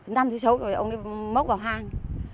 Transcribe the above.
năm thứ sáu rồi ông ấy mốc vào hang